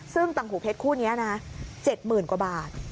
ซึ่งตังหูเพชรคู่นี้นะ๗๐๐๐กว่าบาท